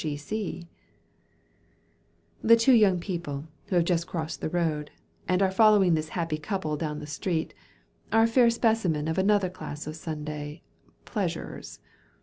The two young people who have just crossed the road, and are following this happy couple down the street, are a fair specimen of another class of Sunday—pleasurers.